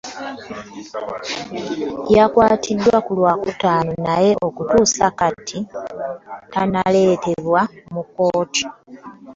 Yakwatibwa ku lwakutaano naye okutuusa kati tannaleetebwa mu kkooti.